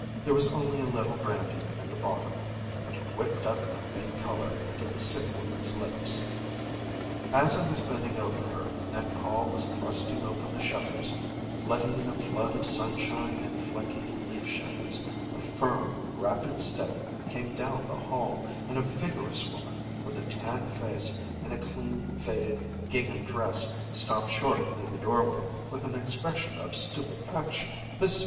There was only a little brandy in the bottom, but it whipped up a faint color into the sick woman's lips. As I was bending over her and Paul was thrusting open the shutters, letting in a flood of sunshine and flecky leaf shadows, a firm, rapid step came down the hall, and a vigorous woman, with a tanned face and a clean, faded gingham dress, stopped short in the doorway with an expression of stupefaction. Mrs.